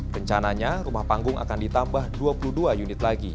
rencananya rumah panggung akan ditambah dua puluh dua unit lagi